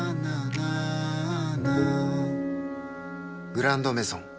「グランドメゾン」